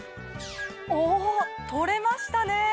お取れましたね！